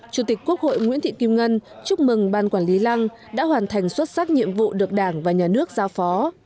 chủ tịch quốc hội nguyễn thị kim ngân chúc mừng ban quản lý lăng đã hoàn thành xuất sắc nhiệm vụ được đảng và nhà nước giao phó